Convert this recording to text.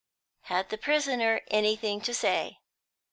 Had the prisoner anything to say?